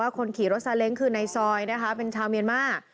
คนขี่รถซาเล้งคือในซอยนะคะเป็นชาวเมียนมาร์